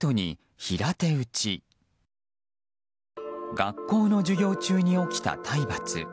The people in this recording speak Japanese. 学校の授業中に起きた体罰。